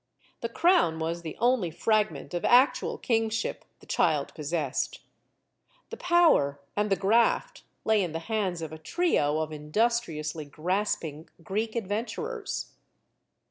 The crown was the only fragment of actual kingship the child possessed. The power and the graft lay in the hands of a trio of industriously grasping Greek ad venturers.